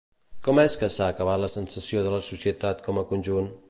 Com és que s'ha acabat la sensació de la societat com a conjunt?